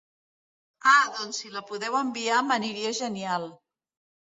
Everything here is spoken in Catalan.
Ah doncs si la podeu enviar, m'aniria genial.